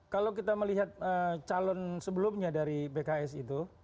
kalau kita melihat calon sebelumnya dari pks itu